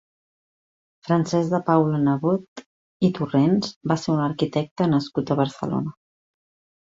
Francesc de Paula Nebot i Torrens va ser un arquitecte nascut a Barcelona.